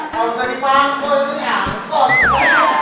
kamu bisa dipanggol ini angkot